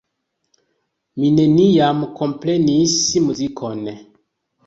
Mi neniam komprenis muzikon.